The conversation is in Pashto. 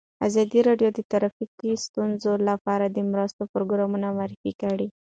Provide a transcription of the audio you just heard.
ازادي راډیو د ټرافیکي ستونزې لپاره د مرستو پروګرامونه معرفي کړي.